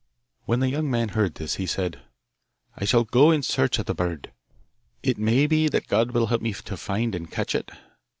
When the young man heard this he said: 'I shall go in search of the bird. It may be that God will help me to find and catch it.